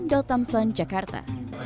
jom do tamsun jakarta